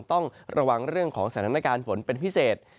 ต้องระวังเรื่องของสถานการณ์ฝนเป็นพิเศษ